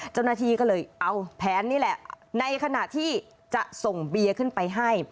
เจ้าหน้าที่ก็เลยเอาแผนนี่แหละในขณะที่จะส่งเบียร์ขึ้นไปให้